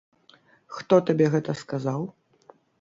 Хто табе гэта сказаў?